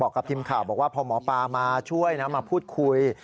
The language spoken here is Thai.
กับทีมข่าวบอกว่าพอหมอปลามาช่วยนะมาพูดคุย